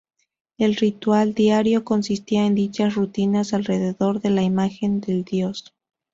El ritual diario consistía en dichas rutinas alrededor de la imagen del dios.